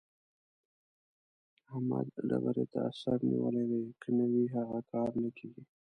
احمد ډبرې ته سر نيولی دی؛ که نه وي هغه کار نه کېږي.